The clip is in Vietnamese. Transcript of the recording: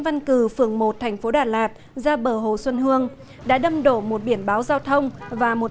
văn cử phường một thành phố đà lạt ra bờ hồ xuân hương đã đâm đổ một biển báo giao thông và một